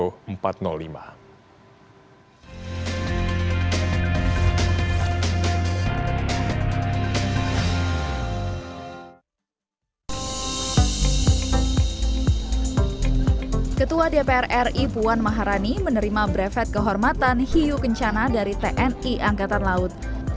ketua dpr ri puan maharani menerima brevet kehormatan hiu kencana dari tni angkatan laut